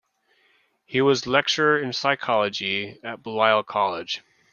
He was Lecturer in Psychology at Balliol College.